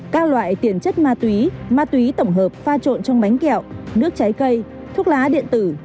các loại tiền chất ma túy ma túy tổng hợp pha trộn trong bánh kẹo nước trái cây thuốc lá điện tử